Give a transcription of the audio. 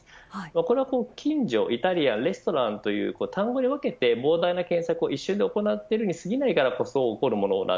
これは近所、イタリアンレストランという単語に分けて膨大な検索を一瞬で行っているためにすぎないものです。